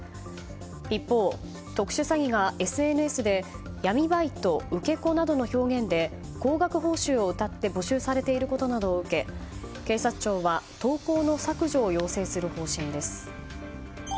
一方、特殊詐欺がＳＮＳで闇バイト、受け子などの表現で表現で高額報酬をうたって募集されていることなどを受け警察庁は投稿の削除を要請する方針です。